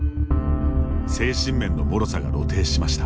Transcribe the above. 精神面のもろさが露呈しました。